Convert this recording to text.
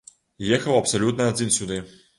Ехаў абсалютна адзін сюды.